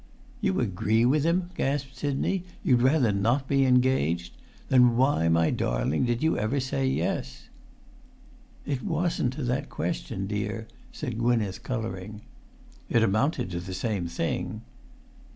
"You agree with him?" gasped Sidney. "You'd[Pg 300] rather not be engaged? Then why, my darling, did you ever say 'yes'?" "It wasn't to that question, dear," said Gwynneth, colouring. "It amounted to the same thing."